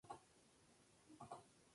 Es... muy diferente a la original"".